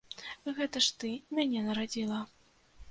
Гэта ж ты мяне нарадзіла.